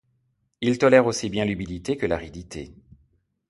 Il tolère aussi bien l'humidité que l'aridité.